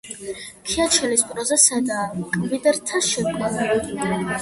ქიაჩელის პროზა სადაა, მკვიდრად შეკრული.